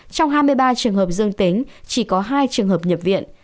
trong hai mươi ba trường hợp dương tính chỉ có hai trường hợp nhập viện